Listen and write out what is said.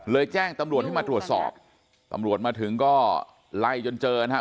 แจ้งตำรวจให้มาตรวจสอบตำรวจมาถึงก็ไล่จนเจอนะครับ